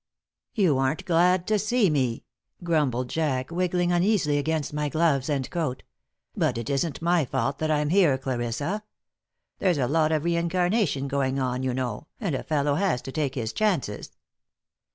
"You aren't glad to see me," grumbled Jack, wiggling uneasily against my gloves and coat. "But it isn't my fault that I'm here, Clarissa. There's a lot of reincarnation going on, you know, and a fellow has to take his chances."